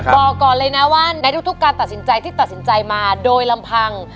บอกก่อนเลยนะว่าในทุกการตัดสินใจที่ตัดสินใจมาโดยลำพัง